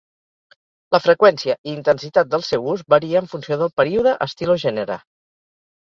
La freqüència i intensitat del seu ús varia en funció del període, estil o gènere.